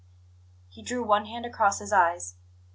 He drew one hand across his eyes.